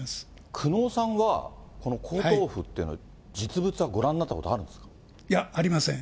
久能さんは、この皇統譜っていうのは、実物はご覧になったこいや、ありません。